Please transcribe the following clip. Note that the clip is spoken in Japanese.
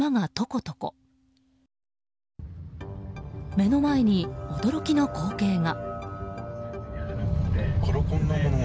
目の前に驚きの光景が。